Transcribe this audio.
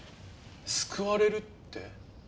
救われるって？